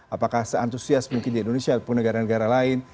apakah se antusias mungkin di indonesia atau pun negara negara lain